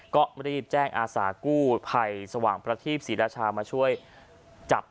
ก็รีบแจ้งอาสากู้ภัยสว่างประทีปศรีราชามาช่วยจับ